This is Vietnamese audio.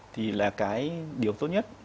thì là cái điều tốt nhất